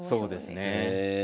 そうですね。